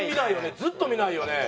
ずっと見ないよね。